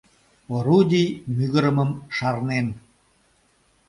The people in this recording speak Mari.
Орудий мӱгырымым шарнен.